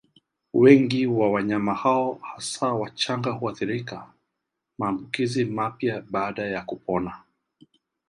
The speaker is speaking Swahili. Wengi wa wanyama hao hasa wachanga huathirika Maambukizi mapya baada ya kupona